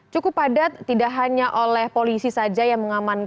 cukup padat tidak hanya oleh polisi saja yang mengamankan